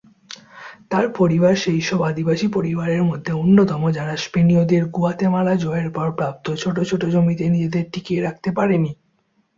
তার পরিবার সেইসব আদিবাসী পরিবারের মধ্যে অন্যতম যারা স্পেনীয়দের গুয়াতেমালা জয়ের পর প্রাপ্ত ছোট ছোট জমিতে নিজেদের টিকিয়ে রাখতে পারেনি।